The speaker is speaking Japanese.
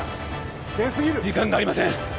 危険すぎる時間がありません